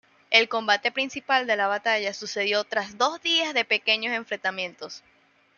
El combate principal de la batalla sucedió tras dos días de pequeños enfrentamientos.